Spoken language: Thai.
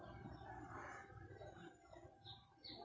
มีเวลาเมื่อเวลาเมื่อเวลา